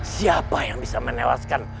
siapa yang bisa menewaskan